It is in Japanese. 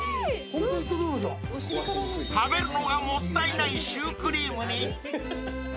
［食べるのがもったいないシュークリームに］